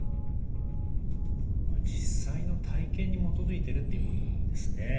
まあ実際の体験に基づいてるっていうことなんですね。